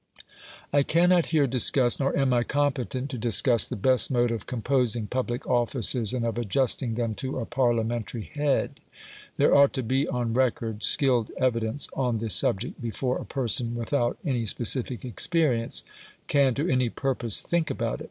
I cannot here discuss, nor am I competent to discuss, the best mode of composing public offices, and of adjusting them to a Parliamentary head. There ought to be on record skilled evidence on the subject before a person without any specific experience can to any purpose think about it.